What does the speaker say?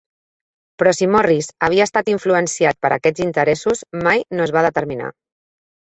Però si Morris havia estat influenciat per aquests interessos mai no es va determinar.